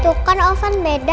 tukang oven beda